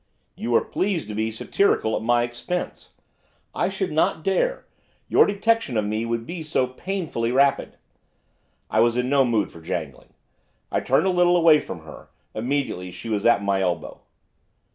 'You are pleased to be satirical at my expense.' 'I should not dare. Your detection of me would be so painfully rapid.' I was in no mood for jangling. I turned a little away from her. Immediately she was at my elbow.